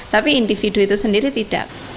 tapi individu itu sendiri tidak